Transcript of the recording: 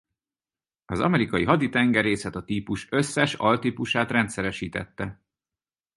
Az Amerikai Haditengerészet a típus összes altípusát rendszeresítette.